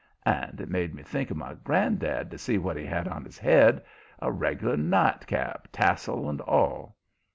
And it made me think of my granddad to see what he had on his head a reg'lar nightcap, tassel and all.